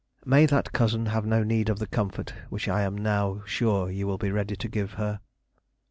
"May that cousin have no need of the comfort which I am now sure you will be ready to give her."